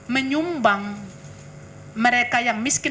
menyumbang mereka yang miskin